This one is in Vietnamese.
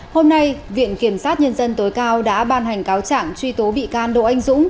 hôm nay viện kiểm sát nhân dân tối cao đã ban hành cáo trạng truy tố bị can đỗ anh dũng